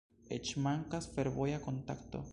Eĉ mankas fervoja kontakto.